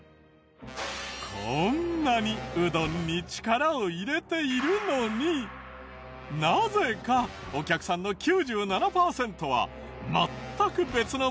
こんなにうどんに力を入れているのになぜかお客さんの９７パーセントは全く別のものを注文。